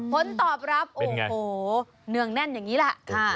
ผลตอบรับโอ้โหเนืองแน่นอย่างนี้แหละ